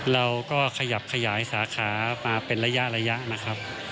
เราก็ขยับขยายสาขามาเป็นระยะนะครับ